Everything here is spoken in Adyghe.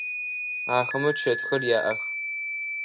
Ахэмэ чэтхэр яӏэх.